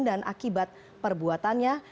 dan akibat perbuatannya